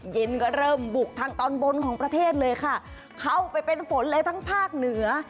เย็นก็เริ่มบุกทางตอนบนของประเทศเลยค่ะเข้าไปเป็นฝนเลยทั้งภาคเหนือ